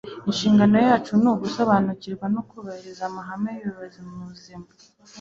inshingano yacu ni ugusobanukirwa no kubahiriza amahame y'ubugorozi mu by'ubuzima